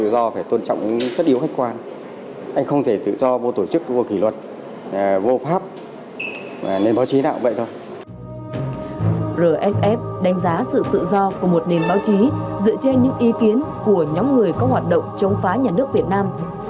rsf đánh giá sự tự do của một nền báo chí dựa trên những ý kiến của nhóm người có hoạt động chống phá nhà nước việt nam